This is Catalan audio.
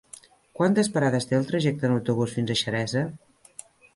Quantes parades té el trajecte en autobús fins a Xeresa?